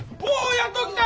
やっと来た！